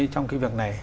trong cái việc này